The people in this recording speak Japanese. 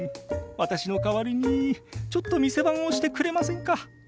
私の代わりにちょっと店番をしてくれませんか？